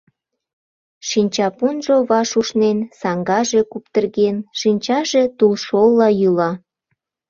Шинчапунжо ваш ушнен, саҥгаже куптырген, шинчаже тулшолла йӱла.